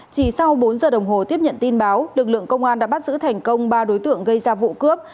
chỉ sau bốn giờ đồng hồ tiếp nhận tin báo lực lượng công an đã bắt giữ thành công ba đối tượng gây ra vụ cướp